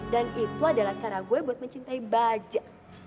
dan itu adalah cara gue buat mencintai baja